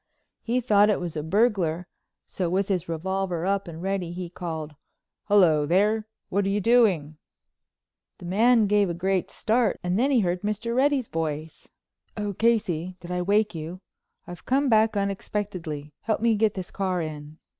He thought it was a burglar, so, with his revolver up and ready, he called: "Hello, there. What are you doing?" The man gave a great start, and then he heard Mr. Reddy's voice: "Oh, Casey, did I wake you? I've come back unexpectedly. Help me get this car in."